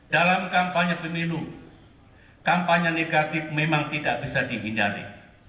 dalam kampanye pemilu kampanye negatif memang tidak bisa dihindari